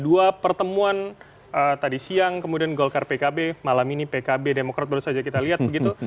dua pertemuan tadi siang kemudian golkar pkb malam ini pkb demokrat baru saja kita lihat begitu